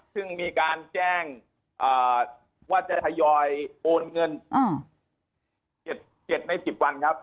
ซึ่งมีการแจ้งว่าจะทยอยโอนเงิน๗ใน๑๐วันครับ